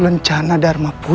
lencana dharma putra